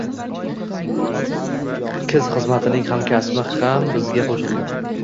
kz xizmatining hamkasbi ham bizga qo'shildi